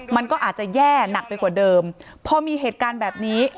มันก็อาจจะแย่หนักไปกว่าเดิมพอมีเหตุการณ์แบบนี้